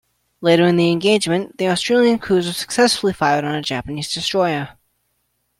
Later in the engagement, the Australian cruiser successfully fired on a Japanese destroyer.